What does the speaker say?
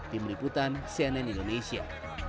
tim liputan cnn indonesia